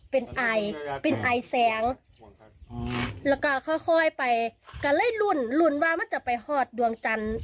เป็นไอเป็นไอแสงแล้วก็ค่อยค่อยไปก็เลยรุ่นรุ่นว่ามันจะไปหอดดวงจันทร์